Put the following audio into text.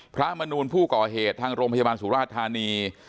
มนูลผู้ก่อเหตุทางโรงพยาบาลสุราชธานี